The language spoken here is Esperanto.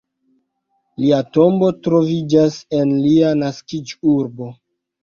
Lia tombo troviĝas en lia naskiĝurbo.